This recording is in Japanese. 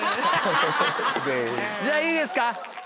じゃあいいですか？